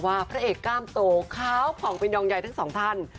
ว่าพระเอกก้ามโตเขาผ่องเป็นยองใหญ่ทั้งสองท่าน